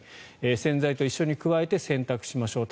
洗剤と一緒に加えて洗濯しましょう。